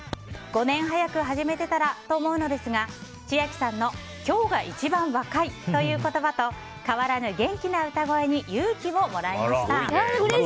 ５年早く始めていたらと思うのですが千秋さんの今日が一番若いという言葉と変わらぬ元気な歌声に勇気をもらいました。